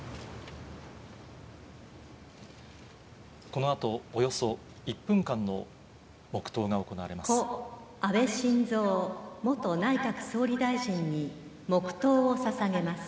このあと、およそ１分間の黙とう故・安倍晋三元内閣総理大臣に黙とうをささげます。